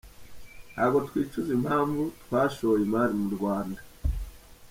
Ntabwo twicuza impamvu twashoye imari mu Rwanda.